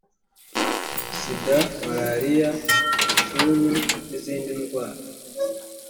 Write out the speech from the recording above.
sida malariya igituntu n izindi ndwara